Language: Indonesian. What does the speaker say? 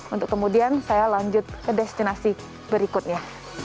untuk kemudian saya lanjut ke destinasi berikutnya